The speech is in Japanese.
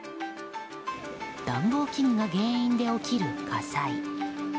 暖房器具が原因で起きる火災。